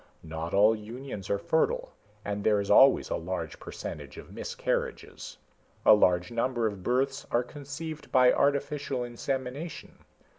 Not all unions are fertile and there is always a large percentage of miscarriages. A large number of births are conceived by artificial insemination.